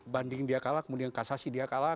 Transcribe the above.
banding dia kalah kemudian kasasi dia kalah